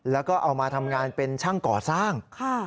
แล้วก็เอามาทำงานเป็นช่างก่อสร้าง